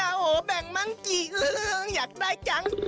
โอ้โฮแบ่งมากกี่อยากได้จัง